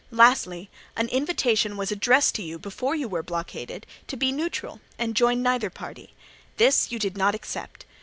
Lastly, an invitation was addressed to you before you were blockaded to be neutral and join neither party: this you did not accept.